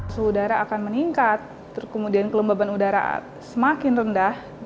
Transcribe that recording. suhu udara akan meningkat kemudian kelembaban udara semakin rendah